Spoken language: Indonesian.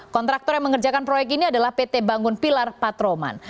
kontraktor yang mengerjakan proyek ini adalah pt bangun pilar patroman